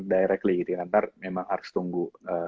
directly nanti memang harus tunggu